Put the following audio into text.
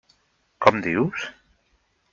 Com dius?